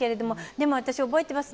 でも私、覚えています。